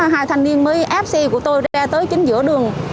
hai thành niên mới ép xe của tôi ra tới chính giữa đường